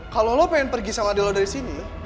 kalo lo pengen pergi sama adek lo dari sini